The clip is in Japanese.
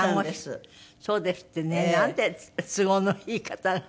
そうですってね。なんて都合のいい方が。